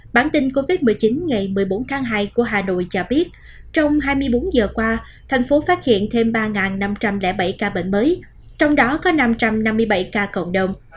bản tin covid một mươi chín ngày một mươi bốn tháng hai của hà nội cho biết trong hai mươi bốn giờ qua thành phố phát hiện thêm ba năm trăm linh bảy ca bệnh mới trong đó có năm trăm năm mươi bảy ca cộng đồng